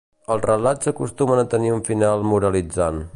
Els relats acostumen a tenir un final moralitzant.